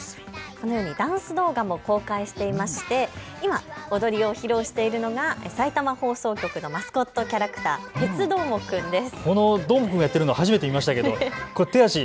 このようにダンス動画も公開していまして今、踊りを披露しているのがさいたま放送局のマスコットキャラクター、鉄どーもくんです。